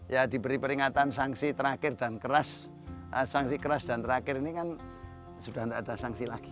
ya diberi peringatan sanksi terakhir dan keras sanksi keras dan terakhir ini kan sudah tidak ada sanksi lagi